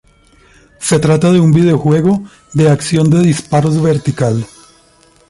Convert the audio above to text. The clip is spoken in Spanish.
Se trata de un videojuego de acción de disparos vertical.